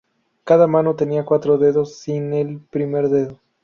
Cada mano tenía cuatro dedos, sin el primer dedo.